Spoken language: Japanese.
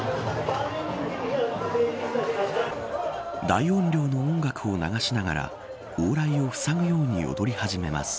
大音量の音楽を流しながら往来をふさぐように踊り始めます。